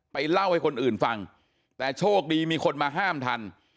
เล่าให้คนอื่นฟังแต่โชคดีมีคนมาห้ามทัน